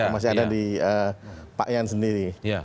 masih ada di pak yan sendiri